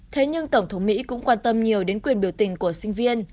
thế nhưng tổng thống mỹ cũng quan tâm nhiều đến quyền biểu tình của sinh viên